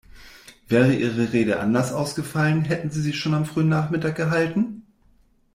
Wäre Ihre Rede anders ausgefallen, hätten Sie sie schon am frühen Nachmittag gehalten?